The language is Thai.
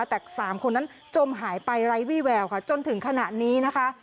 แต่๓คนนั้นจมหายไปไร้วี่แววค่ะจนถึงขณะนี้นะคะ